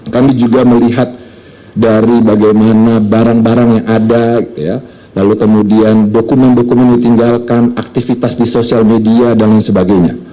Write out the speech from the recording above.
kami juga melihat dari bagaimana barang barang yang ada lalu kemudian dokumen dokumen ditinggalkan aktivitas di sosial media dan lain sebagainya